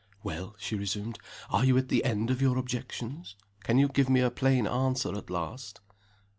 "Well?" she resumed. "Are you at the end of your objections? Can you give me a plain answer at last?"